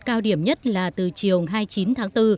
cao điểm nhất là từ chiều hai mươi chín tháng bốn